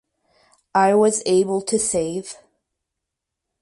I was able to save.